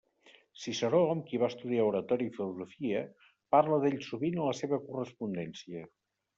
Ciceró, amb qui va estudiar oratòria i filosofia, parla d'ell sovint a la seva correspondència.